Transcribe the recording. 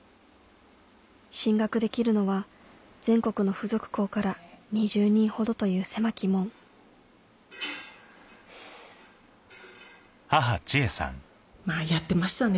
進学できるのは全国の付属校から２０人ほどという狭き門やってましたね